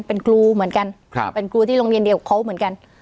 เป็นครูเหมือนกันเป็นครูที่โรงเรียนเดียวกับเขาเหมือนกัน